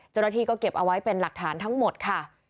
เจ้าหน้าที่ก็เก็บเอาไว้เป็นหลักฐานทั้งหมดค่ะ